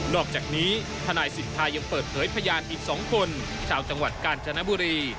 อกจากนี้ทนายสิทธายังเปิดเผยพยานอีก๒คนชาวจังหวัดกาญจนบุรี